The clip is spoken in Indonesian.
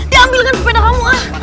diambil kan beli belainnya